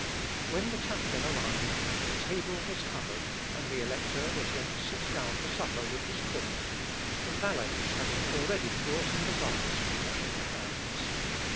When the chaplain arrived, the table was covered, and the Elector was going to sit down to supper with his Court the valets having already brought in the vase for washing the hands.